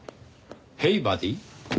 ヘイバディ？